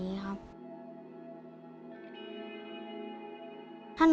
หนูอยากให้พ่อกับแม่หายเหนื่อยครับ